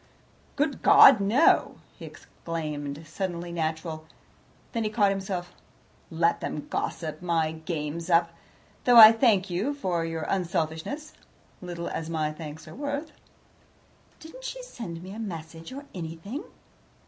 "Good God! no!" he exclaimed, suddenly natural. Then he caught himself up. "Let them gossip. My game's up, though I thank you for your unselfishness little as my thanks are worth." "Didn't she send me a message or anything?"